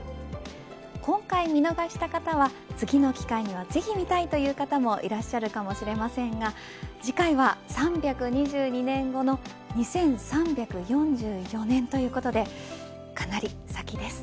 今回見逃した方は次の機会にはぜひ見たいといるいう方もいらっしゃるかもしれませんが次回は３３２年後の２３４４年ということでかなり先です。